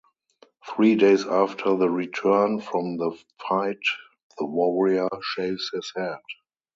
Three days after the return from the fight the warrior shaves his head.